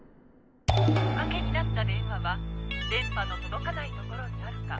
おかけになった電話は電波の届かない所にあるか。